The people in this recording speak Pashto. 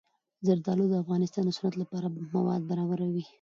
زردالو د افغانستان د صنعت لپاره مواد برابروي.